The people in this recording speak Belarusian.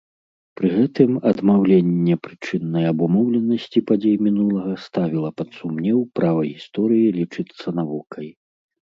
Пры гэтым адмаўленне прычыннай абумоўленасці падзей мінулага ставіла пад сумнеў права гісторыі лічыцца навукай.